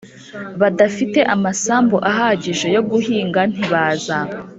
badafite amasambu ahagije yo guhinga ntibaza